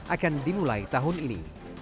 akan dimulai tahun ini